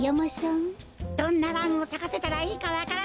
どんなランをさかせたらいいかわからない。